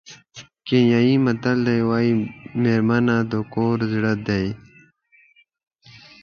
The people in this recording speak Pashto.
کینیايي متل وایي مېرمنې د کور زړه دي.